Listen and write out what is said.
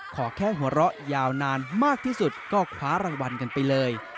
ขอแค่หัวเราะยาวนานมากที่สุดก็คว้ารางวัลกันไปเลย